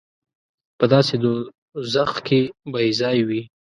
په داسې دوزخ کې به یې ځای وي.